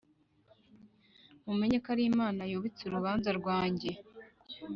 mumenye yuko ari imana yubitse urubanza rwanjye,